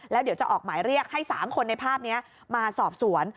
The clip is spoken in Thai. แล้วเดี๋ยวจะออกหมายเรียกให้๓คนในภาพนี้มาสอบสวน